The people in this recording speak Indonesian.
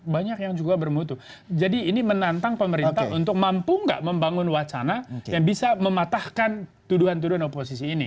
banyak yang juga bermutu jadi ini menantang pemerintah untuk mampu nggak membangun wacana yang bisa mematahkan tuduhan tuduhan oposisi ini